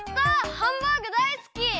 ハンバーグだいすき！